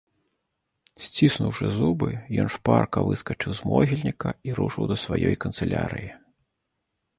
Сціснуўшы зубы, ён шпарка выскачыў з могільніка і рушыў да сваёй канцылярыі.